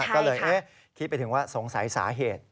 ก็เลยคิดไปถึงว่าสงสัยสาเหตุ